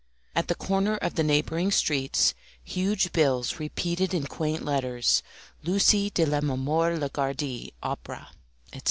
At the corner of the neighbouring streets huge bills repeated in quaint letters "Lucie de Lammermoor Lagardy Opera etc."